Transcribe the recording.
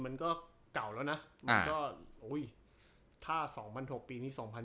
มันก็เก่าแล้วนะอ่ามันก็อุ้ยถ้าสองพันหกปีนี้สองพัน